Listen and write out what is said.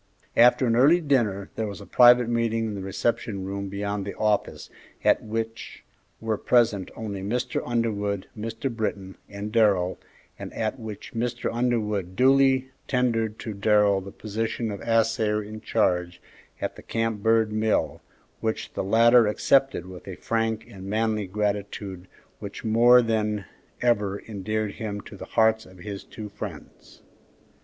After an early dinner there was a private meeting in the reception room beyond the office, at which were present only Mr. Underwood, Mr. Britton, and Darrell, and at which Mr. Underwood duly tendered to Darrell the position of assayer in charge at the Camp Bird mill, which the latter accepted with a frank and manly gratitude which more than ever endeared him to the hearts of his two friends.